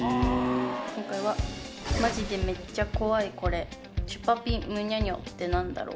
今回は、まじでめっちゃ怖いこれ、チュパピニュニャニョってなんだろう。